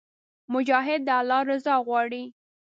مجاهد د الله رضا غواړي.